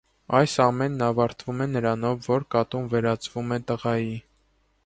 Այս ամենն ավարտվում է նրանով, որ կատուն վերածվում է տղայի։